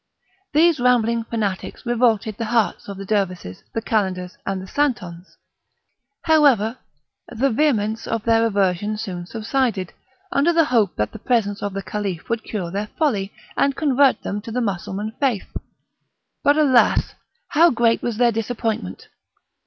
These rambling fanatics revolted the hearts of the Dervises, the Calenders, and Santons; however, the vehemence of their aversion soon subsided, under the hope that the presence of the Caliph would cure their folly, and convert them to the Mussulman faith; but, alas! how great was their disappointment!